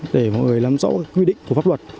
để mọi người làm rõ quy định của pháp luật